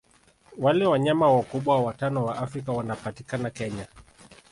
Wale wanyama wakubwa watano wa Afrika wanapatikana Kenya